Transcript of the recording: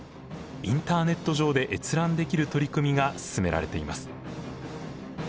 インターネット上で閲覧できる取り組みが進められています。